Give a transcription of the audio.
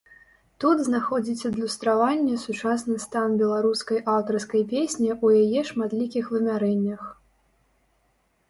Тут знаходзіць адлюстраванне сучасны стан беларускай аўтарскай песні ў яе шматлікіх вымярэннях.